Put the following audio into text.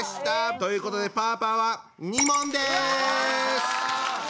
ということでパーパーは２問です！